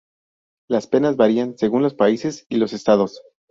Las penas varían según los países y los estados.